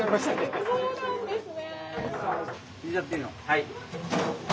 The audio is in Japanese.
はい。